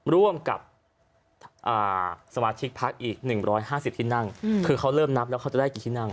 ร่วมกับสมาชิกพักอีก๑๕๐ที่นั่งคือเขาเริ่มนับแล้วเขาจะได้กี่ที่นั่ง